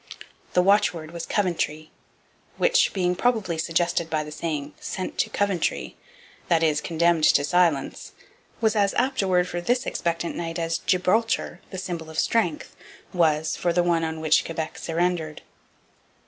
The watchword was 'Coventry,' which, being probably suggested by the saying, 'Sent to Coventry,' that is, condemned to silence, was as apt a word for this expectant night as 'Gibraltar,' the symbol of strength, was for the one on which Quebec surrendered.